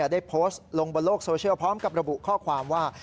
ได้โพสต์ลงบนโลกโซเชียลพร้อมกับระบุข้อความว่า